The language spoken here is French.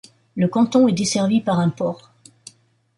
Le canton est desservi par un port.